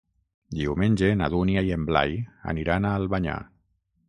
Diumenge na Dúnia i en Blai aniran a Albanyà.